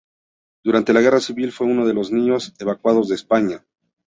Durante la guerra civil fue uno de los niños evacuados de España.